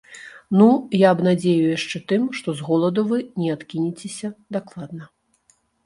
Ну, я абнадзею яшчэ тым, што з голаду вы не адкінецеся дакладна.